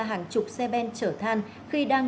hàng chục xe ben chở than khi đang